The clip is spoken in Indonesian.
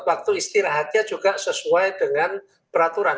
waktu istirahatnya juga sesuai dengan peraturan